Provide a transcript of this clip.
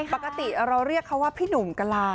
ปกติเราเรียกเขาว่าพี่หนุ่มกะลา